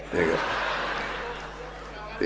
sekarang agak muda